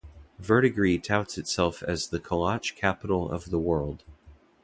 Verdigre touts itself as "The Kolach Capital of the world".